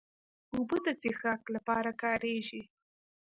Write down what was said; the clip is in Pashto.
اوبه د څښاک لپاره کارېږي.